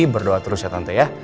berdoa terus ya tante ya